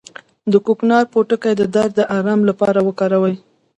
د کوکنارو پوټکی د درد د ارام لپاره وکاروئ